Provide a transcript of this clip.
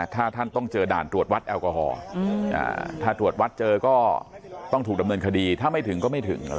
ถ้าท่านต้องเจอด่านตรวจวัดแอลกอฮอล์ถ้าตรวจวัดเจอก็ต้องถูกดำเนินคดีถ้าไม่ถึงก็ไม่ถึงอะไร